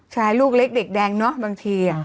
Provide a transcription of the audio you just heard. ใช่ลูกเล็กเด็กแดงเนอะบางที